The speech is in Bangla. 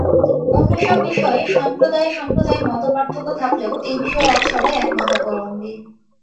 অন্য সব বিষয়ে সম্প্রদায়ে-সম্প্রদায়ে মত-পার্থক্য থাকলেও এ-বিষয়ে আজ সবাই একমতাবলম্বী।